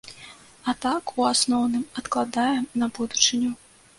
А так, у асноўным, адкладаем, на будучыню.